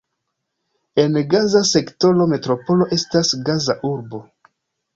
En Gaza sektoro metropolo estas Gaza-urbo.